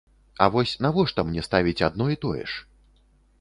А вось навошта мне ставіць адно і тое ж?